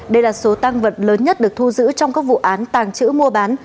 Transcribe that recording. đây là số tăng vật lớn nhất được thu giữ trong các vụ án tàng trữ mua bán